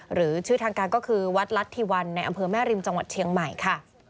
หรือชื่อทางการก็คือวัดรัฐธิวันในอำเภอแม่ริมจังหวัดเชียงใหม่ค่ะ